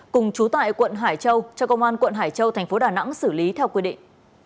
cùng chú tại quận hải châu cho công an tp hcm xử lý theo quy định